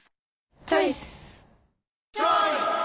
チョイス！